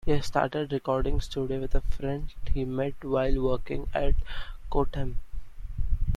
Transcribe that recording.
He started a recording studio with a friend he met while working at Kotam.